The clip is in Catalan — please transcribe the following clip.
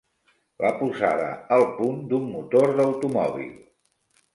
La posada al punt d'un motor d'automòbil.